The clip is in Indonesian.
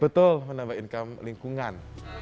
betul menambah income lingkungan